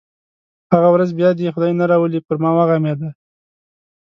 هغه ورځ بیا دې یې خدای نه راولي پر ما وغمېده.